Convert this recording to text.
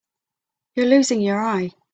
You're losing your eye.